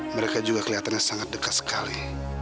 mereka juga kelihatannya sangat dekat sekali